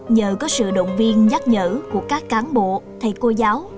nhờ có sự động viên nhắc nhở của các cán bộ thầy cô giáo